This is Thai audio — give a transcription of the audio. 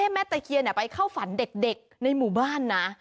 แม่ตะเคียนไปเข้าฝันเด็กในหมู่บ้านนะ